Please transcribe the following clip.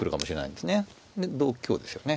で同香ですよね。